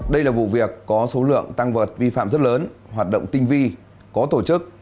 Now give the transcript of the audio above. đây là vụ việc có số lượng tăng vật vi phạm rất lớn hoạt động tinh vi có tổ chức